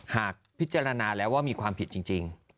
หากพิจารณาแล้วว่ามีความผิดจริง